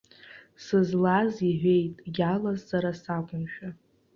Сызлаз, иҳәеит, иалаз сара сакәымшәа.